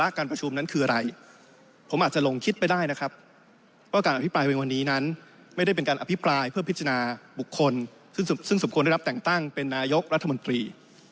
ะการพิจธินาบุคคลซึ่งสมควรได้รับแต่งตั้งเป็นนายกรัฐมนตรี